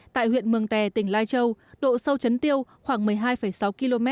tại huyện mường tè tỉnh lai châu độ sâu chấn tiêu khoảng một mươi hai sáu km